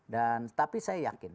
dan tapi saya yakin